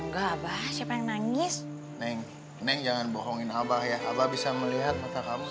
abah siapa yang nangis neng neng jangan bohongin abah ya abah bisa melihat mata kamu